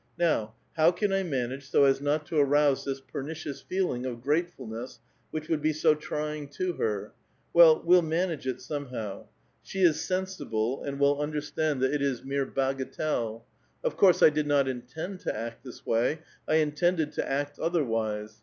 Now, how can I manage so as not to arouse this pernicious feeling of gratefulness which would be so trying to her? Well, we'll manage it somehow. She is sensible, and will understand that it is a A VITAL QUESTION. 127 mere bagatelle. Of course, I did not intend to act this way ; Z intended to act otherwise.